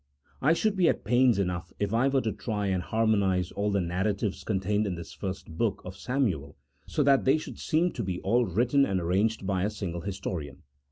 I should be at pains enough if I were to try and harmo nize all the narratives contained in this first book of Samuel so that they should seem to be all written and arranged by a single historian.